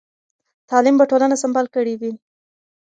تعلیم به ټولنه سمبال کړې وي.